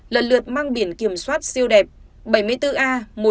lần lượt mang biển kiểm soát siêu đẹp bảy mươi bốn a một mươi chín nghìn chín trăm chín mươi chín